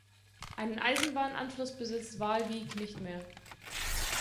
Einen Eisenbahnanschluss besitzt Waalwijk nicht mehr.